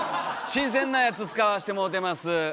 新鮮なやつ使わせてもうてます。